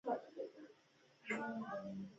زه د هغه دغه عکس العمل ډېر خوشحاله کړم